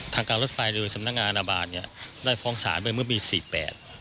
ทางการรถไฟโดยสำนักงานอนาบาลได้ฟ้องศาลเมื่อมีศีรษฐ์๘